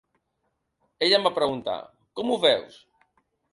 Ella em va preguntar: “Com ho veus?”